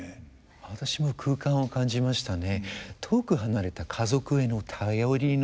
私も空間を感じましたね。